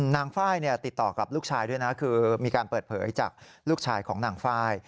ไฟล์ติดต่อกับลูกชายด้วยนะคือมีการเปิดเผยจากลูกชายของนางไฟล์